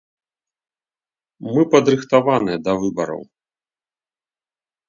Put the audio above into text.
Мы падрыхтаваныя да выбараў.